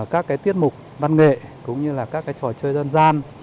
các cái tiết mục văn nghệ cũng như là các cái trò chơi dân gian